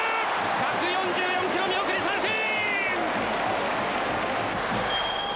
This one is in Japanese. １４４キロ見送り三振！